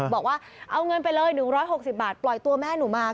บอกว่าเอาเงินไปเลย๑๖๐บาทปล่อยตัวแม่หนูมา